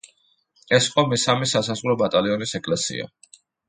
ეს იყო მესამე სასაზღვრო ბატალიონის ეკლესია.